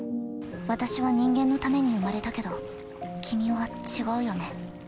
私は人間のために生まれたけど君は違うよね。